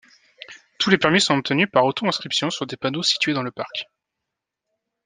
Tous les permis sont obtenus par auto-inscription sur des panneaux situés dans le parc.